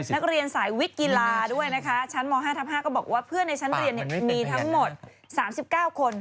นักเรียนสายวิกกีฬาด้วยนะคะชั้นม๕ทับ๕ก็บอกว่าเพื่อนในชั้นเรียนมีทั้งหมด๓๙คน